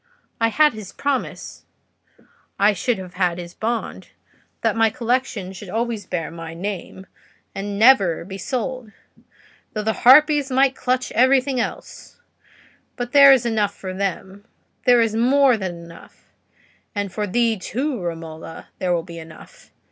I had his promise—I should have had his bond—that my collection should always bear my name and should never be sold, though the harpies might clutch everything else; but there is enough for them—there is more than enough—and for thee, too, Romola, there will be enough.